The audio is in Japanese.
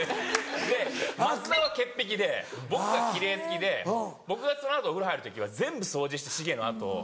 で増田は潔癖で僕が奇麗好きで僕がその後お風呂入る時は全部掃除してシゲの後。